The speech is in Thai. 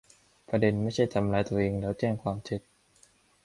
ประเด็นไม่ใช่ทำร้ายตัวเองแล้วแจ้งความเท็จ